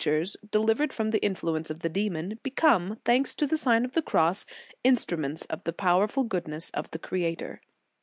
"* In their turn, those creatures, delivered from the influence of the demon, become, thanks to the Sign of the Cross, instruments of the powerful goodness of the Creator.